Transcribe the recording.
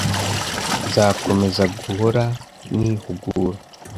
nzakomeza guhora nihugura